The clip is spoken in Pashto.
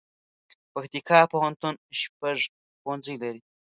پکتیکا پوهنتون شپږ پوهنځي لري